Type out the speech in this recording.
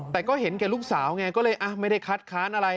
แต่ก็เห็นแก่ลูกสาวไงก็เลยไม่ได้คัดค้านอะไร